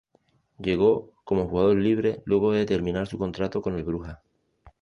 Llegó como jugador libre luego de terminar su contrato con el Brujas.